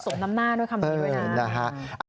น้ำหน้าด้วยคำนี้ด้วยนะ